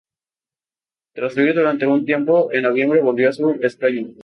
Tras huir durante un tiempo, en noviembre volvió a su escaño.